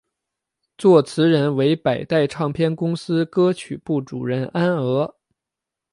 作词人为百代唱片公司歌曲部主任安娥。